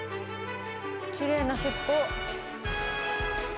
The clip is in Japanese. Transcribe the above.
きれいな尻尾！